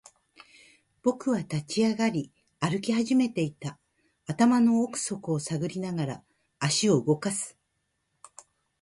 僕は立ち上がり、歩き始めていた。頭の奥底を探りながら、足を動かす。